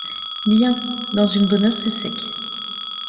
Bien, dans une bonne heure c’est sec.